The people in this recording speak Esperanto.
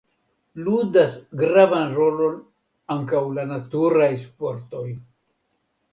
Ludas gravan rolon ankaŭ la naturaj sportoj.